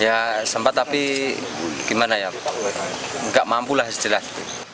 ya sempat tapi gimana ya gak mampulah sejelas